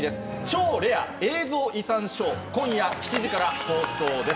『超レア映像遺産ショー』今夜７時から放送です。